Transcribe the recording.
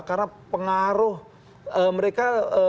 karena pengaruh mereka